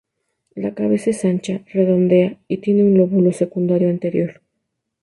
La cabeza es ancha y redondeada, y tiene un lóbulo secundario anterior.